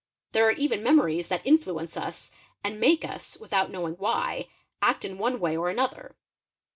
There are even memories that influence us and make us, without knowing why, act in one way or another.